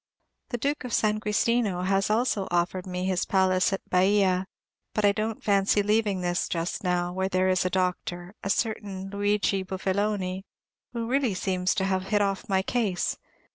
The Duke of San Giustino has also offered me his palace at Baia; but I don't fancy leaving this just now, where there is a doctor, a certain Luigi Buffeloni, who really seems to have hit off my case.